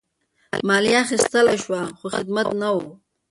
مالیه اخیستل شوه خو خدمت نه وو.